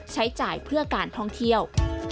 ใช้จ่ายเพื่อการท่องเที่ยว